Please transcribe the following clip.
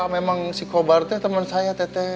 memang si kobar itu teman saya tete